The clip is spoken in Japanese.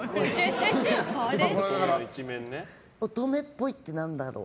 乙女っぽいって何だろう？